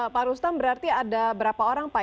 pak rustam berarti ada berapa orang pak